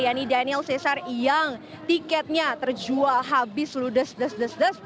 yaitu daniel cesar yang tiketnya terjual habis ludes des des des